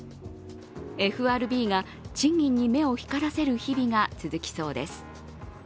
ＦＲＢが賃金に目を光らせる日々が続きそうです。